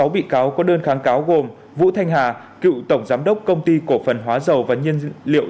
sáu bị cáo có đơn kháng cáo gồm vũ thanh hà cựu tổng giám đốc công ty cổ phần hóa dầu và nhiên liệu